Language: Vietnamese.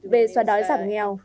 về xóa đói giảm nghèo